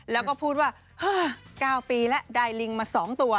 แล้วก็พูดว่า๙ปีแล้วได้ลิงมา๒ตัว